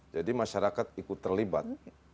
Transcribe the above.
jadi masyarakat ikut terlibat